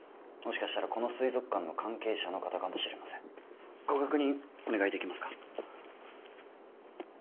もしかしたらこの水族館の関係者の方かもしれませんご確認お願いできますか？